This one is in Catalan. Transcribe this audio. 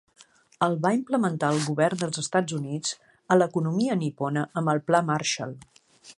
El va implementar el govern dels Estats Units a l'economia nipona amb el pla Marshall.